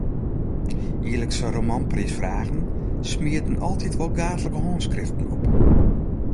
Jierlikse romanpriisfragen smieten altyd wol gaadlike hânskriften op.